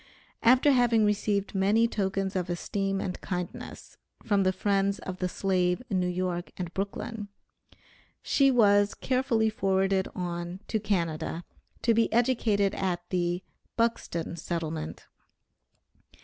After having received many tokens of esteem and kindness from the friends of the slave in New York and Brooklyn, she was carefully forwarded on to Canada, to be educated at the "Buxton Settlement."